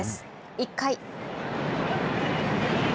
１回。